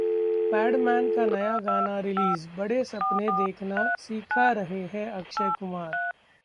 पैडमैन का नया गाना रिलीज, बड़े सपने देखना सीखा रहे हैं अक्षय कुमार